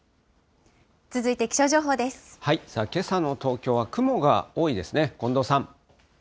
けさの東京は雲が多いですね。